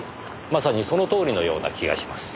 まさにそのとおりのような気がします。